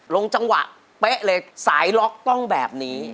ลงจังหวะเป๊ะเลยสายล็อกต้องแบบนี้